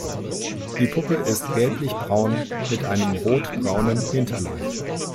Die Puppe ist gelblichbraun mit einem rotbraunen Hinterleib.